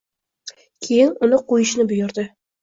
Keyin uni qo‘yishni buyurdi.